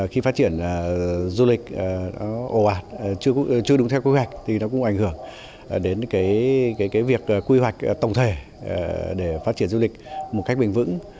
khi phát triển du lịch ồ ạt chưa đúng theo quy hoạch thì nó cũng ảnh hưởng đến việc quy hoạch tổng thể để phát triển du lịch một cách bền vững